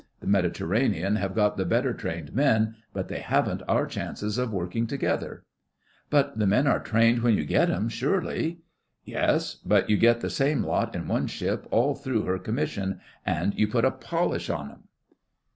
The Mediterranean have got the better trained men, but they haven't our chances of working together.' 'But the men are trained when you get 'em, surely?' 'Yes; but you get the same lot in one ship all through her commission, and you put a polish on 'em.